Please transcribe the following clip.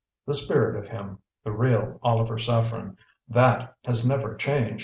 "The spirit of him, the real Oliver Saffren, THAT has NEVER change!